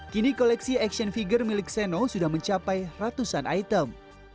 kini koleksi action figure milik seno sudah mencapai ratusan item